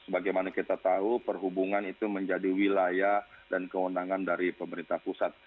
sebagaimana kita tahu perhubungan itu menjadi wilayah dan kewenangan dari pemerintah pusat